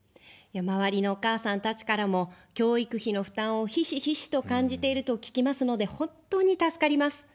周りのお母さんたちからも、教育費の負担をひしひしと感じていると聞きますので、本当に助かります。